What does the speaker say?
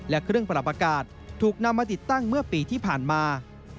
และเครื่องปรับอากาศถูกนำมาติดตั้งเมื่อปีที่ผ่านมา